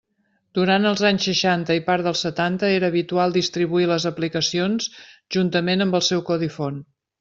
Durant els anys seixanta i part dels setanta era habitual distribuir les aplicacions juntament amb el seu codi font.